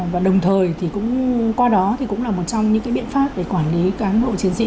và đồng thời thì cũng qua đó thì cũng là một trong những biện pháp để quản lý cán bộ chiến sĩ